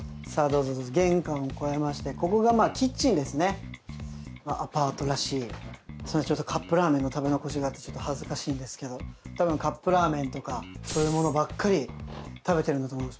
どうぞどうぞ玄関を越えましてまあアパートらしいカップラーメンの食べ残しがあってちょっと恥ずかしいんですけどたぶんカップラーメンとかそういうものばっかり食べてるんだと思います